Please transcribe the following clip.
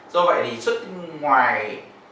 do vậy thì suất ngoài